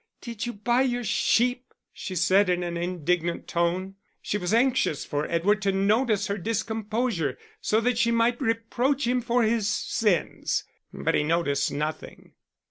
"Did you buy your sheep?" she said, in an indignant tone. She was anxious for Edward to notice her discomposure, so that she might reproach him for his sins; but he noticed nothing.